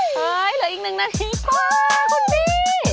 เฮ้ยเหลืออีกหนึ่งนาทีค่ะคุณพี่